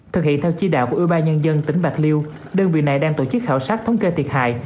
thực hiện theo chi đạo của ủy ban nhân dân tỉnh bạc liêu đơn vị này đang tổ chức khảo sát thống kê thiệt hại